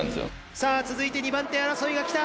さぁ続いて２番手争いがきた！